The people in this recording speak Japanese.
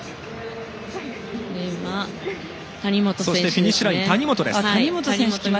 フィニッシュライン、谷本です。